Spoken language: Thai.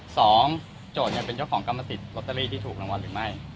โจทย์เนี่ยเป็นเจ้าของกรรมสิทธิลอตเตอรี่ที่ถูกรางวัลหรือไม่